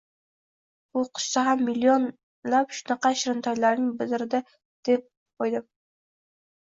Bu qizcha ham milionlab shunaqa shirintoylarning biridirda deb qo'ydim